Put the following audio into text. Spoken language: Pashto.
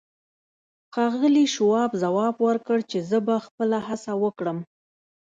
ښاغلي شواب ځواب ورکړ چې زه به خپله هڅه وکړم.